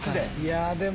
でも。